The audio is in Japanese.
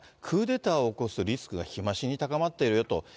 クーデターを起こすリスクが日増しに高まっているよと。